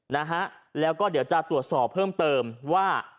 แล้วก็จะตรวจสอบเพิ่มเติมว่า